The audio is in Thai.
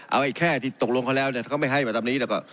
เอาอีกแค่ที่ตกลงเขาแล้วเนี่ยเขาไม่ให้มาตามนี้แล้วก็